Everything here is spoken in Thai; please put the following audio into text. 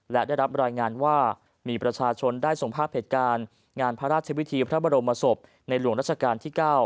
และได้รับรายงานว่ามีประชาชนได้ส่งภาพเหตุการณ์งานพระราชวิธีพระบรมศพในหลวงราชการที่๙